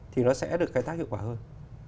thì nó sẽ được khai thác hiệu quả hơn